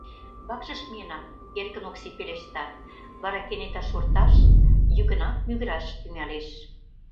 — Вакшыш миенам, — эркын Окси пелешта, вара кенета шорташ, йӱкынак мӱгыраш тӱҥалеш.